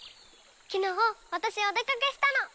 きのうわたしお出かけしたの。